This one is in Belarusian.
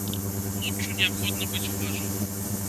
Ноччу неабходна быць уважлівым.